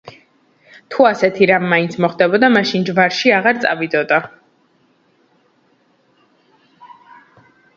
თუ ასეთი რამ მაინც მოხდებოდა, მაშინ ჯვარში აღარ წავიდოდა.